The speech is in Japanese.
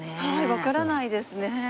わからないですね。